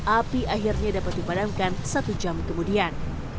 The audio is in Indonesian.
api akhirnya dapat dipadamkan satu jam kemudian